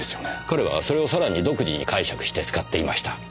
彼はそれをさらに独自に解釈して使っていました。